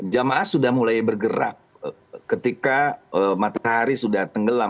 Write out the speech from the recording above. jamaah sudah mulai bergerak ketika matahari sudah tenggelam